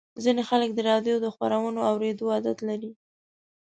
ځینې خلک د راډیو د خبرونو اورېدو عادت لري.